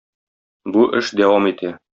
Бу эш дәвам итә.